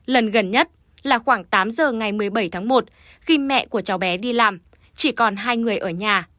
lần gần nhất là khoảng tám giờ ngày một mươi bảy tháng một khi mẹ của cháu bé đi làm chỉ còn hai người ở nhà